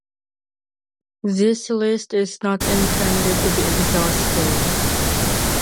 This list is not intended to be exhaustive.